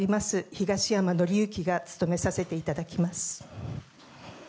東山紀之が務めさせていただきます。